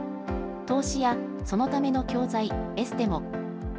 投資や、そのための教材エステも。